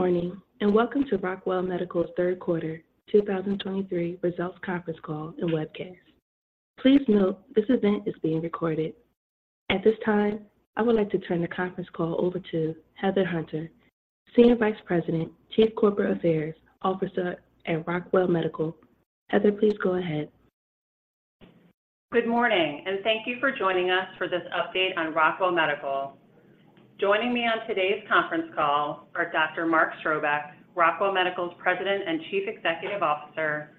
Good morning, and welcome to Rockwell Medical's Third Quarter 2023 Results Conference Call and Webcast. Please note, this event is being recorded. At this time, I would like to turn the conference call over to Heather Hunter, Senior Vice President, Chief Corporate Affairs Officer at Rockwell Medical. Heather, please go ahead. Good morning, and thank you for joining us for this update on Rockwell Medical. Joining me on today's conference call are Dr. Mark Strobeck, Rockwell Medical's President and Chief Executive Officer,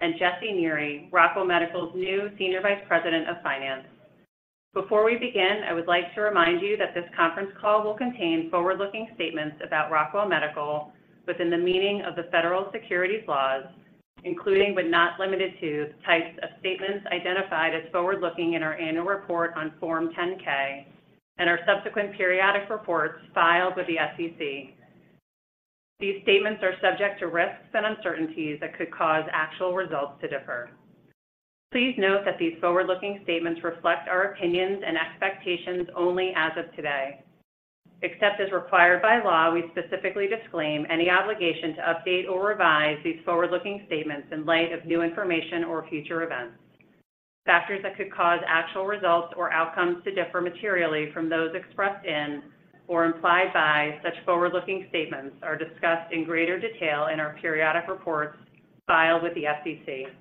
and Jesse Neri, Rockwell Medical's new Senior Vice President of Finance. Before we begin, I would like to remind you that this conference call will contain forward-looking statements about Rockwell Medical within the meaning of the federal securities laws, including but not limited to, the types of statements identified as forward-looking in our annual report on Form 10-K and our subsequent periodic reports filed with the SEC. These statements are subject to risks and uncertainties that could cause actual results to differ. Please note that these forward-looking statements reflect our opinions and expectations only as of today. Except as required by law, we specifically disclaim any obligation to update or revise these forward-looking statements in light of new information or future events. Factors that could cause actual results or outcomes to differ materially from those expressed in or implied by such forward-looking statements are discussed in greater detail in our periodic reports filed with the SEC.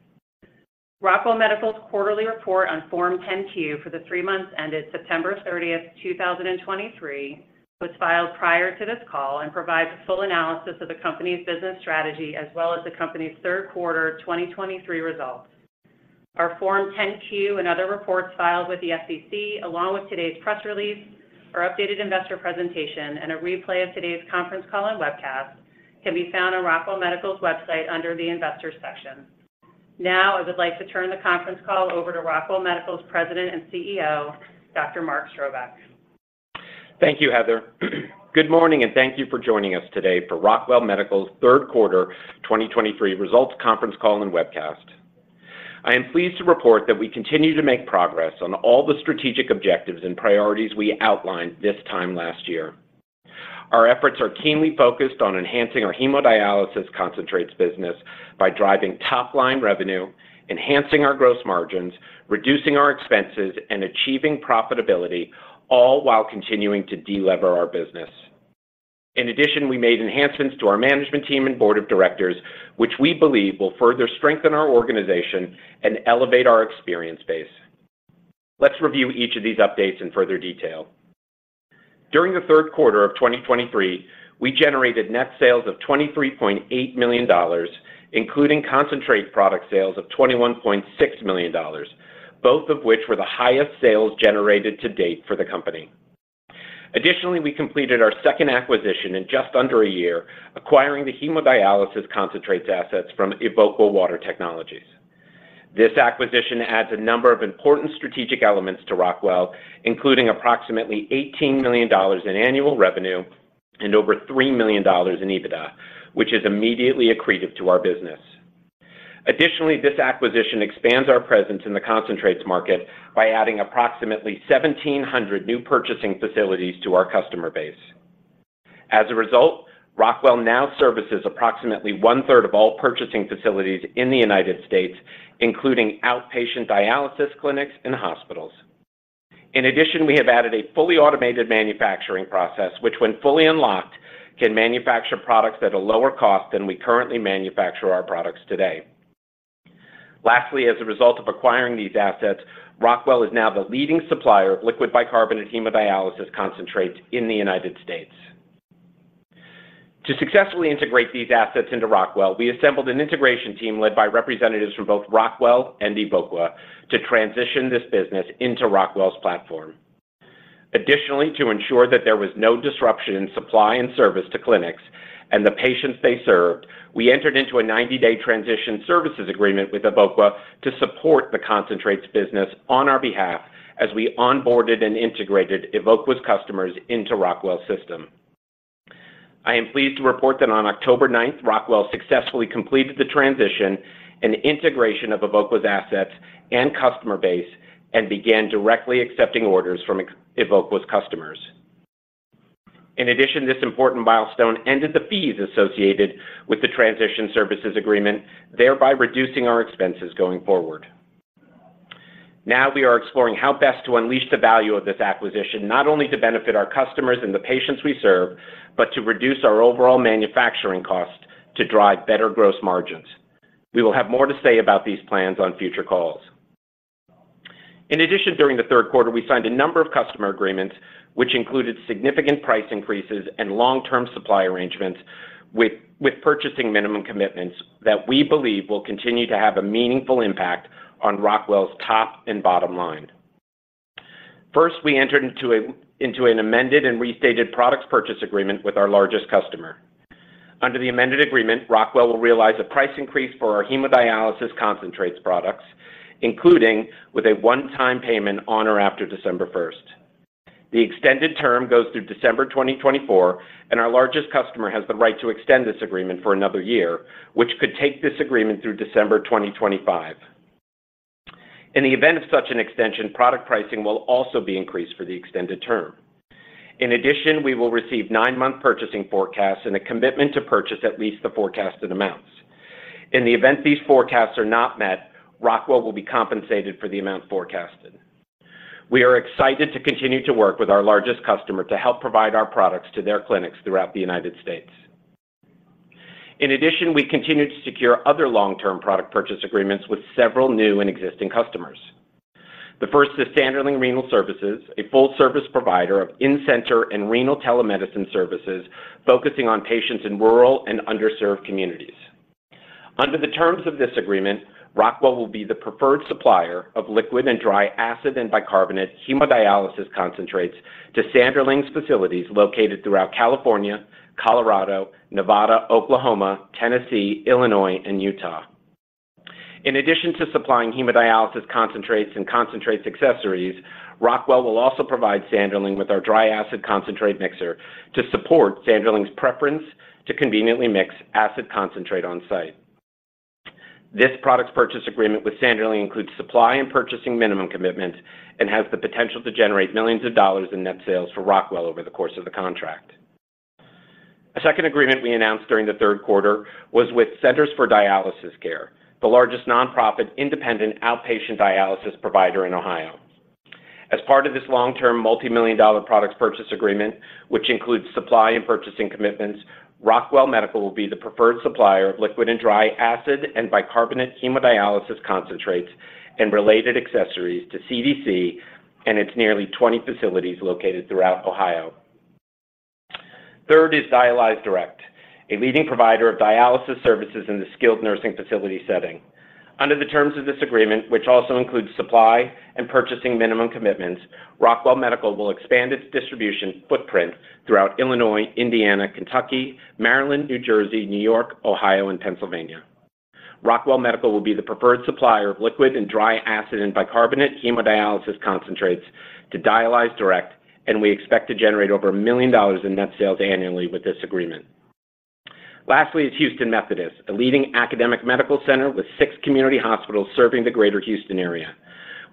Rockwell Medical's quarterly report on Form 10-Q for the three months ended September 30th, 2023, was filed prior to this call and provides a full analysis of the company's business strategy, as well as the company's third quarter 2023 results. Our Form 10-Q and other reports filed with the SEC, along with today's press release, our updated investor presentation, and a replay of today's conference call and webcast, can be found on Rockwell Medical's website under the investors' section. Now, I would like to turn the conference call over to Rockwell Medical's President and CEO, Dr. Mark Strobeck. Thank you, Heather. Good morning, and thank you for joining us today for Rockwell Medical's third quarter 2023 results conference call and webcast. I am pleased to report that we continue to make progress on all the strategic objectives and priorities we outlined this time last year. Our efforts are keenly focused on enhancing our hemodialysis concentrates business by driving top-line revenue, enhancing our gross margins, reducing our expenses, and achieving profitability, all while continuing to delever our business. In addition, we made enhancements to our management team and board of directors, which we believe will further strengthen our organization and elevate our experience base. Let's review each of these updates in further detail. During the third quarter of 2023, we generated net sales of $23.8 million, including concentrate product sales of $21.6 million, both of which were the highest sales generated to date for the company. Additionally, we completed our second acquisition in just under a year, acquiring the hemodialysis concentrates assets from Evoqua Water Technologies. This acquisition adds a number of important strategic elements to Rockwell, including approximately $18 million in annual revenue and over $3 million in EBITDA, which is immediately accretive to our business. Additionally, this acquisition expands our presence in the concentrates market by adding approximately 1,700 new purchasing facilities to our customer base. As a result, Rockwell now services approximately 1/3 of all purchasing facilities in the United States, including outpatient dialysis clinics and hospitals. In addition, we have added a fully automated manufacturing process, which when fully unlocked, can manufacture products at a lower cost than we currently manufacture our products today. Lastly, as a result of acquiring these assets, Rockwell is now the leading supplier of liquid bicarbonate hemodialysis concentrates in the United States. To successfully integrate these assets into Rockwell, we assembled an integration team led by representatives from both Rockwell and Evoqua to transition this business into Rockwell's platform. Additionally, to ensure that there was no disruption in supply and service to clinics and the patients they served, we entered into a 90-day transition services agreement with Evoqua to support the concentrates business on our behalf as we onboarded and integrated Evoqua's customers into Rockwell's system. I am pleased to report that on October 9th, Rockwell successfully completed the transition and integration of Evoqua's assets and customer base and began directly accepting orders from Evoqua's customers. In addition, this important milestone ended the fees associated with the transition services agreement, thereby reducing our expenses going forward. Now, we are exploring how best to unleash the value of this acquisition, not only to benefit our customers and the patients we serve, but to reduce our overall manufacturing cost to drive better gross margins. We will have more to say about these plans on future calls. In addition, during the third quarter, we signed a number of customer agreements, which included significant price increases and long-term supply arrangements with purchasing minimum commitments that we believe will continue to have a meaningful impact on Rockwell's top and bottom line. First, we entered into an amended and restated products purchase agreement with our largest customer. Under the amended agreement, Rockwell will realize a price increase for our hemodialysis concentrates products, including with a one-time payment on or after December 1st. The extended term goes through December 2024, and our largest customer has the right to extend this agreement for another year, which could take this agreement through December 2025. In the event of such an extension, product pricing will also be increased for the extended term. In addition, we will receive nine-month purchasing forecasts and a commitment to purchase at least the forecasted amounts. In the event these forecasts are not met, Rockwell will be compensated for the amount forecasted. We are excited to continue to work with our largest customer to help provide our products to their clinics throughout the United States. In addition, we continued to secure other long-term product purchase agreements with several new and existing customers. The first is Sanderling Renal Services, a full-service provider of in-center and renal telemedicine services, focusing on patients in rural and underserved communities. Under the terms of this agreement, Rockwell will be the preferred supplier of liquid and dry acid and bicarbonate hemodialysis concentrates to Sanderling's facilities located throughout California, Colorado, Nevada, Oklahoma, Tennessee, Illinois, and Utah. In addition to supplying hemodialysis concentrates and concentrates accessories, Rockwell will also provide Sanderling with our dry acid concentrate mixer to support Sanderling's preference to conveniently mix acid concentrate on-site. This product purchase agreement with Sanderling includes supply and purchasing minimum commitment and has the potential to generate millions of dollars in net sales for Rockwell over the course of the contract. A second agreement we announced during the third quarter was with Centers for Dialysis Care, the largest nonprofit, independent outpatient dialysis provider in Ohio. As part of this long-term, multi-million-dollar products purchase agreement, which includes supply and purchasing commitments, Rockwell Medical will be the preferred supplier of liquid and dry acid and bicarbonate hemodialysis concentrates and related accessories to CDC and its nearly 20 facilities located throughout Ohio. Third is Dialyze Direct, a leading provider of dialysis services in the skilled nursing facility setting. Under the terms of this agreement, which also includes supply and purchasing minimum commitments, Rockwell Medical will expand its distribution footprint throughout Illinois, Indiana, Kentucky, Maryland, New Jersey, New York, Ohio, and Pennsylvania. Rockwell Medical will be the preferred supplier of liquid and dry acid and bicarbonate hemodialysis concentrates to Dialyze Direct, and we expect to generate over $1 million in net sales annually with this agreement. Lastly is Houston Methodist, a leading academic medical center with six community hospitals serving the greater Houston area.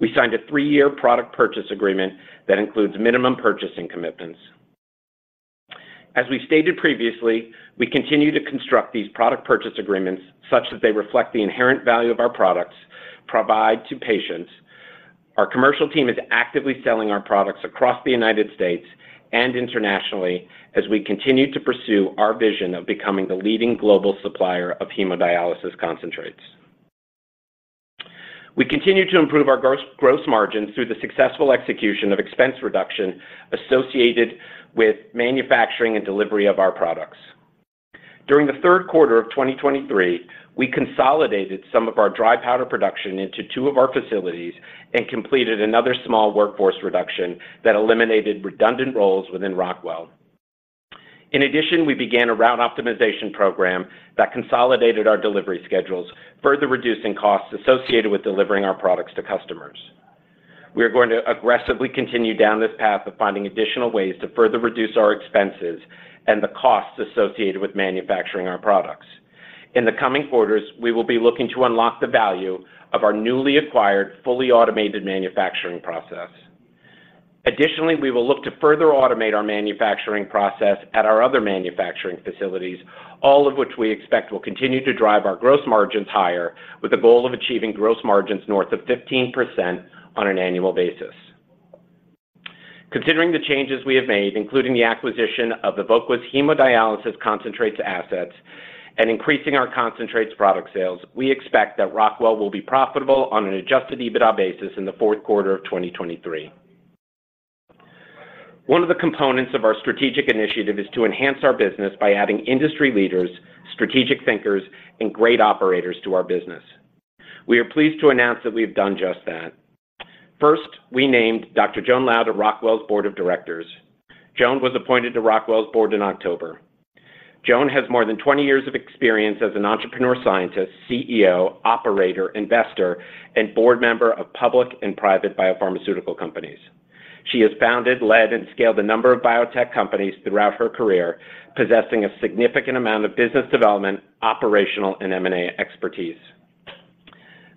We signed a three-year product purchase agreement that includes minimum purchasing commitments. As we stated previously, we continue to construct these product purchase agreements such that they reflect the inherent value of our products provide to patients. Our commercial team is actively selling our products across the United States and internationally as we continue to pursue our vision of becoming the leading global supplier of hemodialysis concentrates. We continue to improve our gross, gross margins through the successful execution of expense reduction associated with manufacturing and delivery of our products. During the third quarter of 2023, we consolidated some of our dry powder production into two of our facilities and completed another small workforce reduction that eliminated redundant roles within Rockwell. In addition, we began a route optimization program that consolidated our delivery schedules, further reducing costs associated with delivering our products to customers. We are going to aggressively continue down this path of finding additional ways to further reduce our expenses and the costs associated with manufacturing our products. In the coming quarters, we will be looking to unlock the value of our newly acquired, fully automated manufacturing process. Additionally, we will look to further automate our manufacturing process at our other manufacturing facilities, all of which we expect will continue to drive our gross margins higher, with the goal of achieving gross margins north of 15% on an annual basis. Considering the changes we have made, including the acquisition of Evoqua's hemodialysis concentrates assets and increasing our concentrates product sales, we expect that Rockwell will be profitable on an Adjusted EBITDA basis in the fourth quarter of 2023. One of the components of our strategic initiative is to enhance our business by adding industry leaders, strategic thinkers, and great operators to our business. We are pleased to announce that we have done just that. First, we named Dr. Joan Lau to Rockwell's board of directors. Joan was appointed to Rockwell's board in October. Joan has more than 20 years of experience as an entrepreneur, scientist, CEO, operator, investor, and board member of public and private biopharmaceutical companies. She has founded, led, and scaled a number of biotech companies throughout her career, possessing a significant amount of business development, operational, and M&A expertise.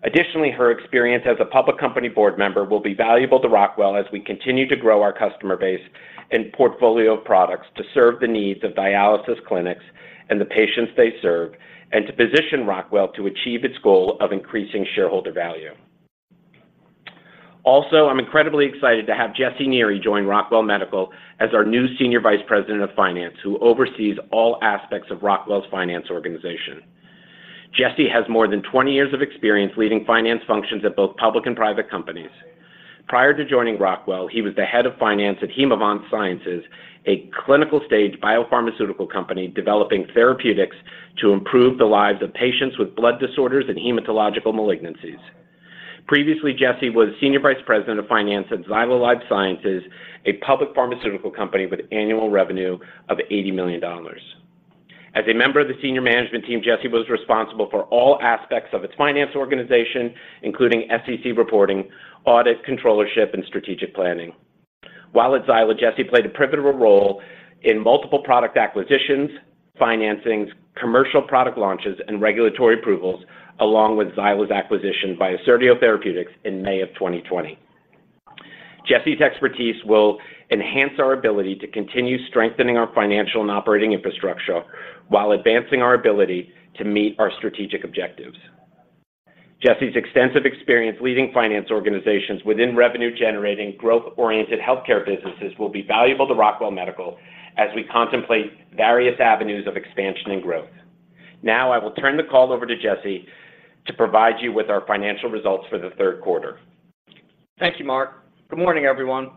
Additionally, her experience as a public company board member will be valuable to Rockwell as we continue to grow our customer base and portfolio of products to serve the needs of dialysis clinics and the patients they serve, and to position Rockwell to achieve its goal of increasing shareholder value. Also, I'm incredibly excited to have Jesse Neri join Rockwell Medical as our new Senior Vice President of Finance, who oversees all aspects of Rockwell's finance organization. Jesse has more than 20 years of experience leading finance functions at both public and private companies. Prior to joining Rockwell, he was the Head of Finance at Hemavant Sciences, a clinical-stage biopharmaceutical company developing therapeutics to improve the lives of patients with blood disorders and hematological malignancies. Previously, Jesse was Senior Vice President of Finance at Zyla Life Sciences, a public pharmaceutical company with annual revenue of $80 million. As a member of the senior management team, Jesse was responsible for all aspects of its finance organization, including SEC reporting, audit, controllership, and strategic planning. While at Zyla, Jesse played a pivotal role in multiple product acquisitions, financings, commercial product launches, and regulatory approvals, along with Zyla's acquisition by Assertio Therapeutics in May 2020. Jesse's expertise will enhance our ability to continue strengthening our financial and operating infrastructure while advancing our ability to meet our strategic objectives. Jesse's extensive experience leading finance organizations within revenue-generating, growth-oriented healthcare businesses will be valuable to Rockwell Medical as we contemplate various avenues of expansion and growth. Now, I will turn the call over to Jesse to provide you with our financial results for the third quarter. Thank you, Mark. Good morning, everyone.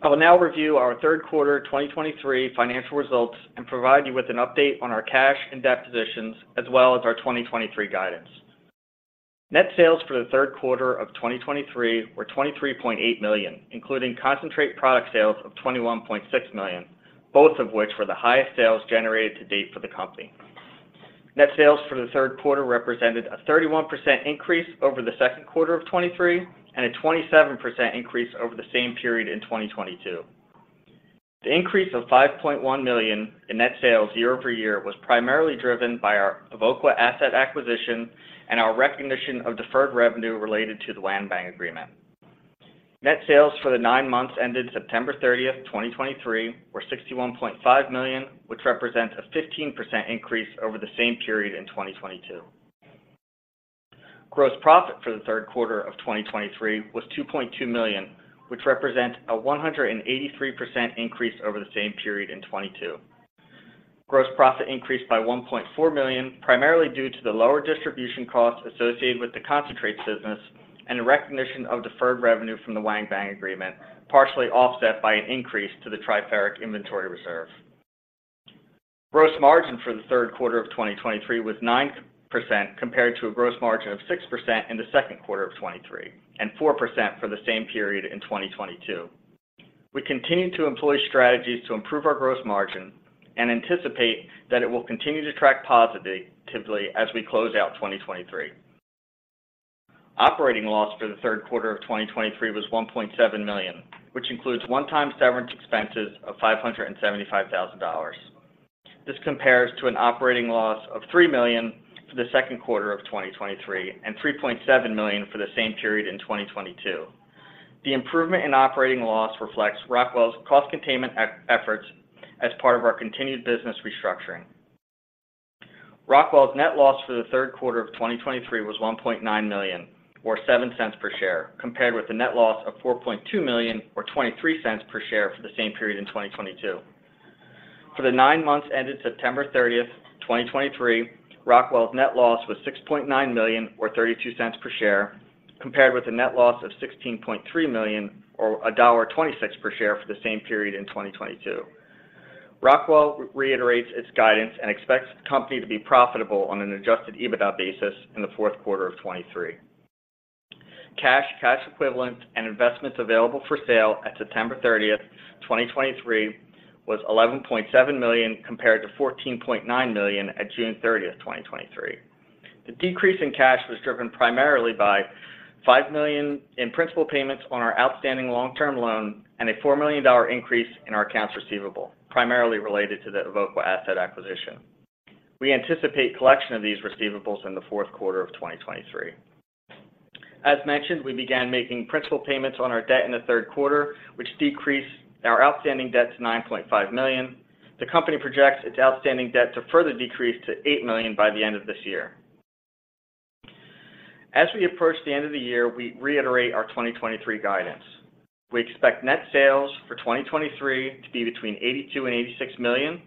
I will now review our third quarter 2023 financial results and provide you with an update on our cash and debt positions, as well as our 2023 guidance. Net sales for the third quarter of 2023 were $23.8 million, including concentrate product sales of $21.6 million, both of which were the highest sales generated to date for the company. Net sales for the third quarter represented a 31% increase over the second quarter of 2023 and a 27% increase over the same period in 2022. The increase of $5.1 million in net sales year over year was primarily driven by our Evoqua asset acquisition and our recognition of deferred revenue related to the Wanbang Agreement. Net sales for the nine months ended September 30, 2023, were $61.5 million, which represents a 15% increase over the same period in 2022. Gross profit for the third quarter of 2023 was $2.2 million, which represent a 183% increase over the same period in 2022. Gross profit increased by $1.4 million, primarily due to the lower distribution costs associated with the concentrates business and a recognition of deferred revenue from the DaVita Agreement, partially offset by an increase to the Triferic inventory reserve. Gross margin for the third quarter of 2023 was 9%, compared to a gross margin of 6% in the second quarter of 2023, and 4% for the same period in 2022. We continue to employ strategies to improve our gross margin and anticipate that it will continue to track positively, typically as we close out 2023. Operating loss for the third quarter of 2023 was $1.7 million, which includes one-time severance expenses of $575,000. This compares to an operating loss of $3 million for the second quarter of 2023 and $3.7 million for the same period in 2022. The improvement in operating loss reflects Rockwell's cost containment efforts as part of our continued business restructuring. Rockwell's net loss for the third quarter of 2023 was $1.9 million, or $0.07 per share, compared with a net loss of $4.2 million, or $0.23 per share for the same period in 2022. For the nine months ended September 30th, 2023, Rockwell's net loss was $6.9 million, or $0.32 per share, compared with a net loss of $16.3 million, or $1.26 per share, for the same period in 2022. Rockwell reiterates its guidance and expects the company to be profitable on an adjusted EBITDA basis in the fourth quarter of 2023. Cash, cash equivalents, and investments available for sale at September 30th, 2023, was $11.7 million, compared to $14.9 million at June 30th, 2023. The decrease in cash was driven primarily by $5 million in principal payments on our outstanding long-term loan and a $4 million increase in our accounts receivable, primarily related to the Evoqua asset acquisition. We anticipate collection of these receivables in the fourth quarter of 2023. As mentioned, we began making principal payments on our debt in the third quarter, which decreased our outstanding debt to $9.5 million. The company projects its outstanding debt to further decrease to $8 million by the end of this year. As we approach the end of the year, we reiterate our 2023 guidance. We expect net sales for 2023 to be between $82 million and $86 million,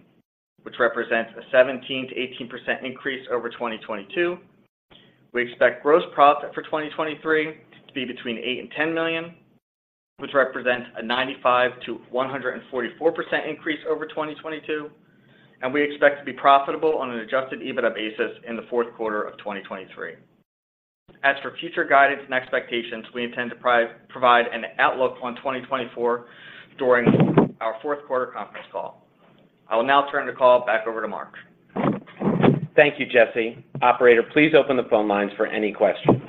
which represents a 17%-18% increase over 2022. We expect gross profit for 2023 to be between $8 million and $10 million, which represents a 95%-144% increase over 2022, and we expect to be profitable on an adjusted EBITDA basis in the fourth quarter of 2023. As for future guidance and expectations, we intend to provide an outlook on 2024 during our fourth quarter conference call. I will now turn the call back over to Mark. Thank you, Jesse. Operator, please open the phone lines for any questions.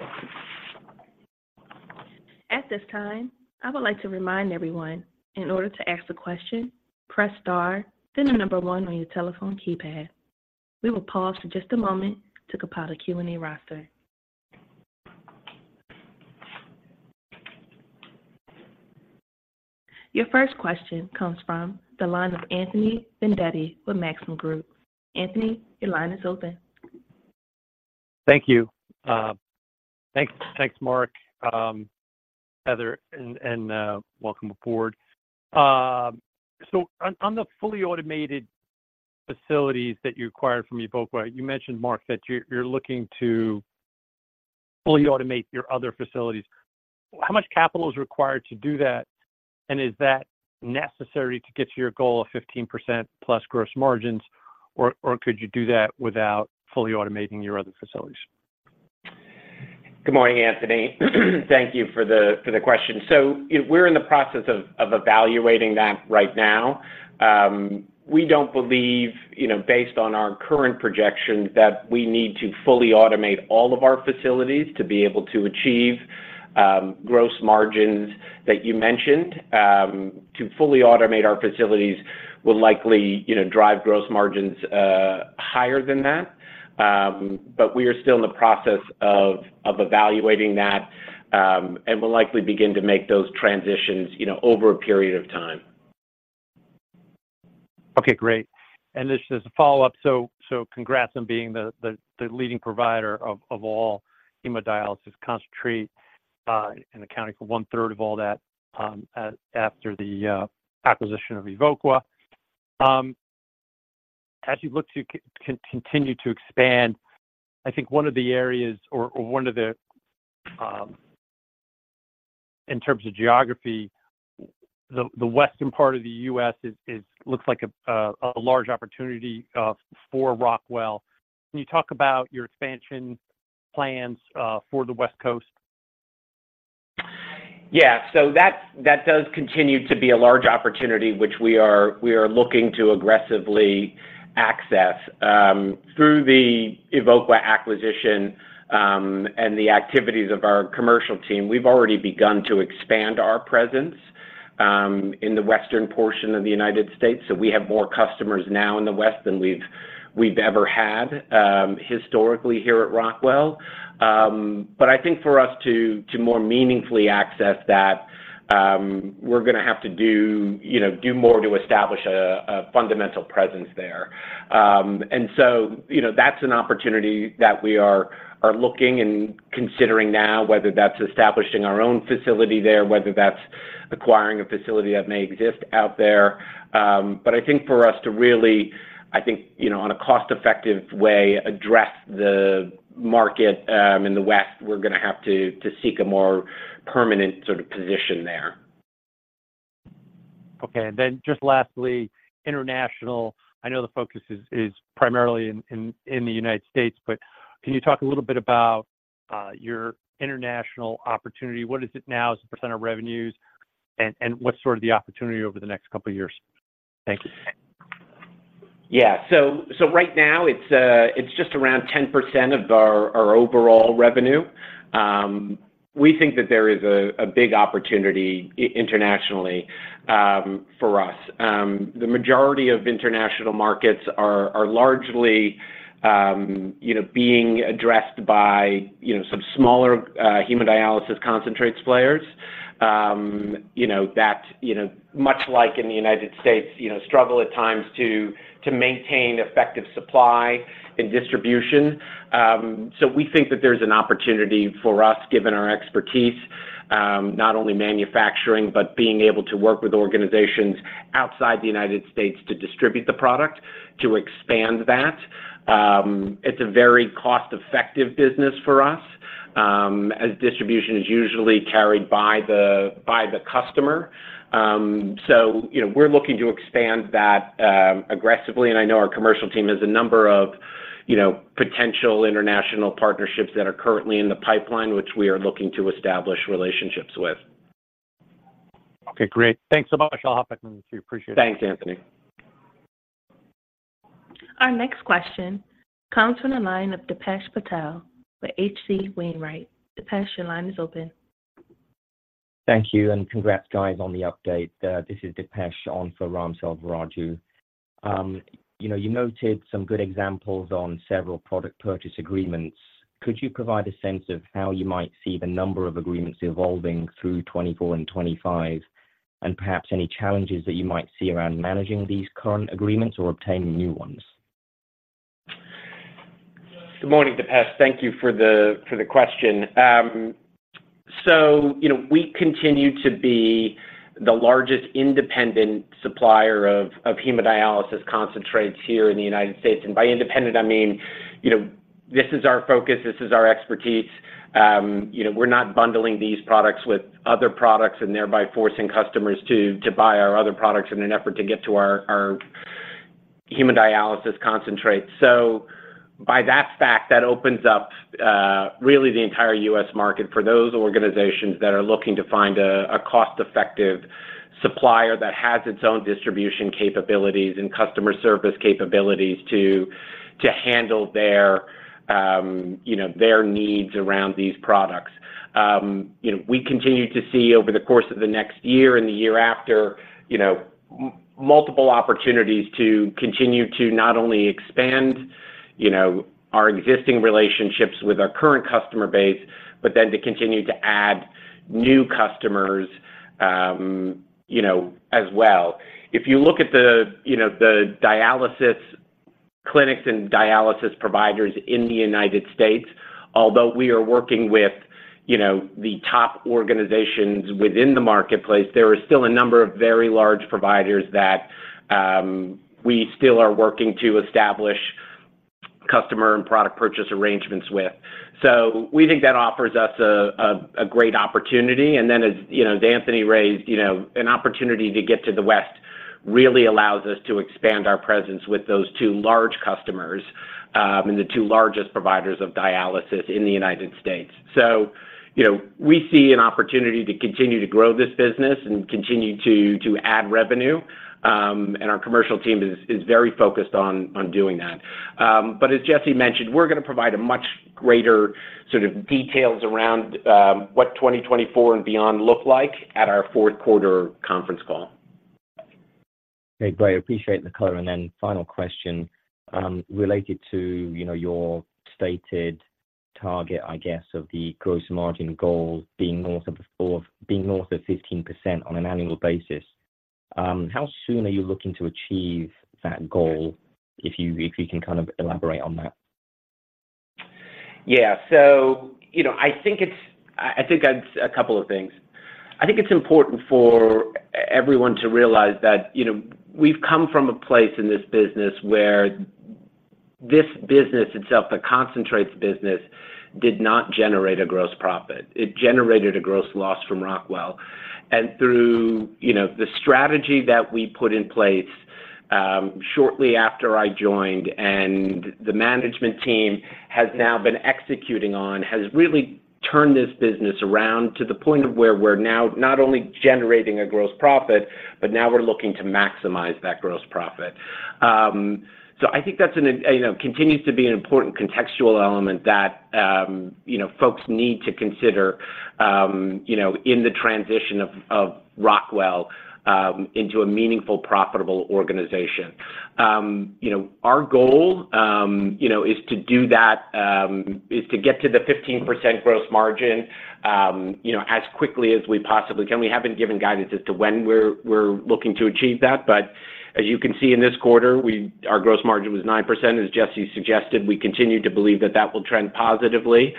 At this time, I would like to remind everyone, in order to ask a question, press star, then the number one on your telephone keypad. We will pause for just a moment to compile a Q&A roster. Your first question comes from the line of Anthony Vendetti with Maxim Group. Anthony, your line is open. Thank you. Thanks, Mark, Heather, welcome aboard. So on the fully automated facilities that you acquired from Evoqua, you mentioned, Mark, that you're looking to fully automate your other facilities. How much capital is required to do that? And is that necessary to get to your goal of 15%+ gross margins, or could you do that without fully automating your other facilities? Good morning, Anthony. Thank you for the question. So we're in the process of evaluating that right now. We don't believe, you know, based on our current projections, that we need to fully automate all of our facilities to be able to achieve gross margins that you mentioned. To fully automate our facilities will likely, you know, drive gross margins higher than that. But we are still in the process of evaluating that, and will likely begin to make those transitions, you know, over a period of time. Okay, great. And just a follow-up, so congrats on being the leading provider of all hemodialysis concentrate and accounting for one third of all that after the acquisition of Evoqua. As you look to continue to expand, I think one of the areas or one of the in terms of geography, the western part of the U.S. looks like a large opportunity for Rockwell. Can you talk about your expansion plans for the West Coast? Yeah, so that does continue to be a large opportunity, which we are looking to aggressively access through the Evoqua acquisition and the activities of our commercial team. We've already begun to expand our presence in the western portion of the United States. So we have more customers now in the West than we've ever had historically here at Rockwell. But I think for us to more meaningfully access that, we're gonna have to do, you know, more to establish a fundamental presence there. And so, you know, that's an opportunity that we are looking and considering now, whether that's establishing our own facility there, whether that's acquiring a facility that may exist out there. But I think for us to really, I think, you know, on a cost-effective way, address the market, in the West, we're gonna have to seek a more permanent sort of position there. Okay. And then just lastly, international. I know the focus is primarily in the United States, but can you talk a little bit about your international opportunity? What is it now as a percent of revenues, and what's sort of the opportunity over the next couple of years? Thank you. Yeah. So right now, it's just around 10% of our overall revenue. We think that there is a big opportunity internationally for us. The majority of international markets are largely, you know, being addressed by, you know, some smaller hemodialysis concentrates players, you know, that, you know, much like in the United States, you know, struggle at times to maintain effective supply and distribution. So we think that there's an opportunity for us, given our expertise, not only manufacturing, but being able to work with organizations outside the United States to distribute the product, to expand that. It's a very cost-effective business for us, as distribution is usually carried by the customer. You know, we're looking to expand that aggressively, and I know our commercial team has a number of, you know, potential international partnerships that are currently in the pipeline, which we are looking to establish relationships with. Okay, great. Thanks so much, I'll hop back. We appreciate it. Thanks, Anthony. Our next question comes from the line of Dipesh Patel with HC Wainwright. Dipesh, your line is open. Thank you, and congrats, guys, on the update. This is Dipesh on for Ram Selvaraju. You know, you noted some good examples on several product purchase agreements. Could you provide a sense of how you might see the number of agreements evolving through 2024 and 2025, and perhaps any challenges that you might see around managing these current agreements or obtaining new ones? Good morning, Dipesh. Thank you for the question. So, you know, we continue to be the largest independent supplier of hemodialysis concentrates here in the United States. And by independent, I mean, you know, this is our focus, this is our expertise. You know, we're not bundling these products with other products and thereby forcing customers to buy our other products in an effort to get to our hemodialysis concentrates. So by that fact, that opens up, really the entire U.S. market for those organizations that are looking to find a cost-effective supplier that has its own distribution capabilities and customer service capabilities to handle their, you know, their needs around these products. You know, we continue to see over the course of the next year and the year after, you know, multiple opportunities to continue to not only expand, you know, our existing relationships with our current customer base, but then to continue to add new customers, you know, as well. If you look at the, you know, the dialysis clinics and dialysis providers in the United States, although we are working with, you know, the top organizations within the marketplace, there are still a number of very large providers that, we still are working to establish customer and product purchase arrangements with. So we think that offers us a great opportunity. And then, as you know, Anthony raised, you know, an opportunity to get to the West really allows us to expand our presence with those two large customers, and the two largest providers of dialysis in the United States. So, you know, we see an opportunity to continue to grow this business and continue to add revenue, and our commercial team is very focused on doing that. But as Jesse mentioned, we're gonna provide a much greater sort of details around what 2024 and beyond look like at our fourth quarter conference call. Okay, great. I appreciate the color. And then final question, related to, you know, your stated target, I guess, of the gross margin goal being north of 15% on an annual basis. How soon are you looking to achieve that goal, if you can kind of elaborate on that? Yeah. So, you know, I think that's a couple of things. I think it's important for everyone to realize that, you know, we've come from a place in this business where this business itself, the concentrates business, did not generate a gross profit. It generated a gross loss from Rockwell. And through, you know, the strategy that we put in place, shortly after I joined, and the management team has now been executing on, has really turned this business around to the point of where we're now not only generating a gross profit, but now we're looking to maximize that gross profit. So I think that's an, you know, continues to be an important contextual element that, you know, folks need to consider, you know, in the transition of, of Rockwell, into a meaningful, profitable organization. You know, our goal, you know, is to do that, is to get to the 15% gross margin, you know, as quickly as we possibly can. We haven't given guidance as to when we're looking to achieve that, but as you can see in this quarter, our gross margin was 9%. As Jesse suggested, we continue to believe that that will trend positively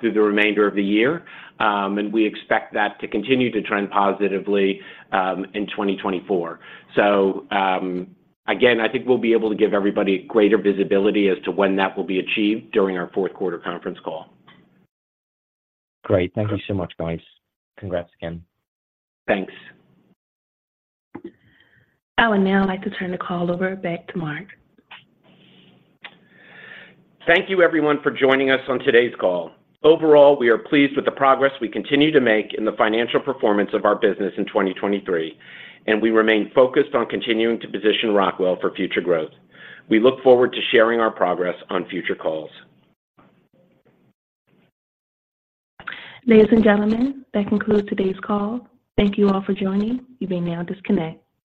through the remainder of the year, and we expect that to continue to trend positively in 2024. So, again, I think we'll be able to give everybody greater visibility as to when that will be achieved during our fourth quarter conference call. Great. Thank you so much, guys. Congrats again. Thanks. I would now like to turn the call over back to Mark. Thank you, everyone, for joining us on today's call. Overall, we are pleased with the progress we continue to make in the financial performance of our business in 2023, and we remain focused on continuing to position Rockwell for future growth. We look forward to sharing our progress on future calls. Ladies and gentlemen, that concludes today's call. Thank you all for joining. You may now disconnect.